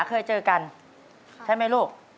เคยเจอกันใช่มั้ยลูก